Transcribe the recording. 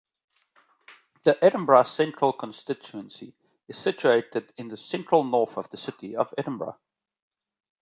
The Edinburgh Central constituency is situated in the central-north of the City of Edinburgh.